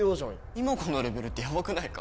今このレベルってヤバくないか？